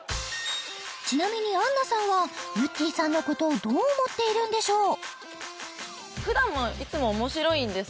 ちなみにあんなさんはゆってぃさんのことをどう思っているんでしょう？